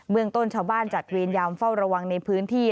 เมืองต้นชาวบ้านจัดเวรยามเฝ้าระวังในพื้นที่